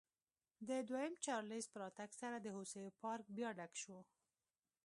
د دویم چارلېز په راتګ سره د هوسیو پارک بیا ډک شو.